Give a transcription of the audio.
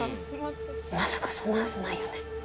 まさかそんなはずないよね？